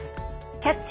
「キャッチ！